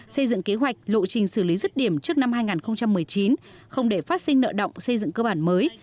xây dựng kế hoạch lộ trình xử lý rứt điểm trước năm hai nghìn một mươi chín không để phát sinh nợ động xây dựng cơ bản mới